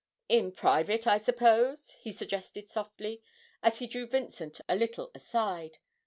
'In private, I suppose?' he suggested softly, as he drew Vincent a little aside.